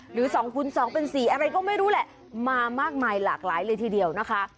หรือ๒คูณ๒เป็น๔อะไรก็ไม่รู้แหละมามากมายหลากหลายเลยทีเดียวนะคะ